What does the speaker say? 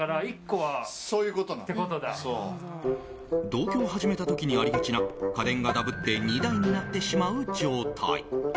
同居を始めた時にありがちな家電がダブって２台になってしまう状態。